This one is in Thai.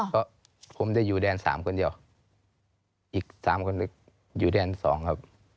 เพราะผมได้อยู่แดน๓คนเดียวอีก๓คนอยู่แดน๒ครับ